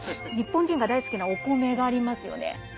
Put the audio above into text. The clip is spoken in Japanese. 日本人が大好きなお米がありますよね。